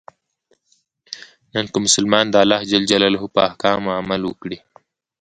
نن که مسلمانان د الله ج په احکامو عمل وکړي.